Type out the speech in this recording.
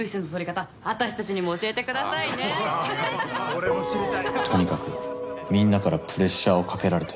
・俺も知りとにかくみんなからプレッシャーをかけられて。